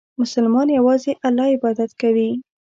مسلمان یوازې الله عبادت کوي.